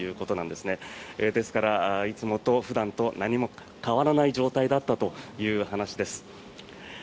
ですから、いつもと普段と何も変わらない状態だったという話です。